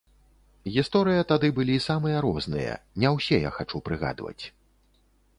Гісторыя тады былі самыя розныя, не ўсе я хачу прыгадваць.